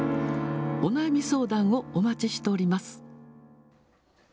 お悩み相談をお待ちしております。